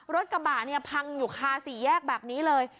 รถกระบะเนี่ยพังอยู่คาสี่แยกแบบนี้เลย